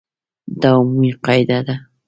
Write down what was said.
دا عمومي قاعده ده.